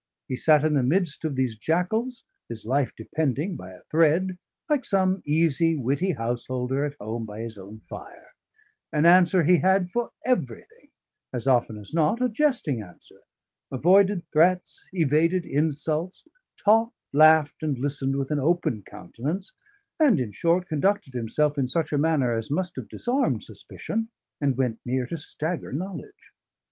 He sat in the midst of these jackals, his life depending by a thread, like some easy, witty householder at home by his own fire; an answer he had for everything as often as not, a jesting answer; avoided threats, evaded insults; talked, laughed, and listened with an open countenance; and, in short, conducted himself in such a manner as must have disarmed suspicion, and went near to stagger knowledge.